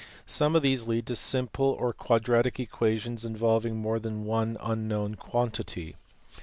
Some of these lead to simple or quadratic equations involving more than one unknown quan tity.